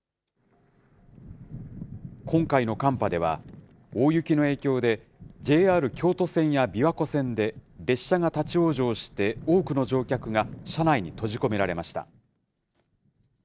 今回の寒波では、大雪の影響で、ＪＲ京都線や琵琶湖線で、列車が立往生して多くの乗客が車内に閉じ込められました。